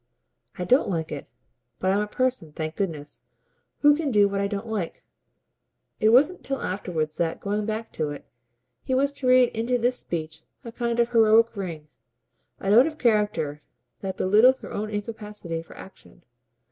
"I don't like it, but I'm a person, thank goodness, who can do what I don't like." It wasn't till afterwards that, going back to it, he was to read into this speech a kind of heroic ring, a note of character that belittled his own incapacity for action.